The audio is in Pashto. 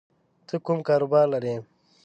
ته کوم کاروبار لری